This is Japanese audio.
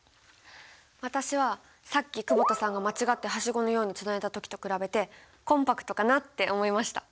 私はさっき久保田さんが間違ってはしごのようにつないだ時と比べてコンパクトかなって思いました。